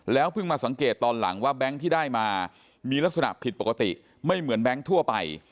เพิ่งมาสังเกตตอนหลังว่าแบงค์ที่ได้มามีลักษณะผิดปกติไม่เหมือนแบงค์ทั่วไป